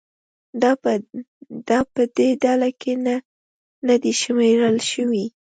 دا په دې ډله کې نه دي شمېرل شوي.